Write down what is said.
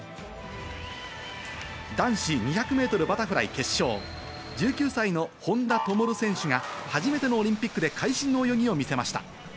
男子２００ｍバタフライ決勝、１９歳の本多灯選手が初めてのオリンピックで会心の泳ぎを見せました。